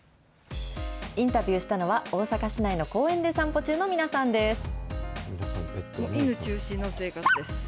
インタビューしたのは、大阪市内の公園で散歩中の皆さんです。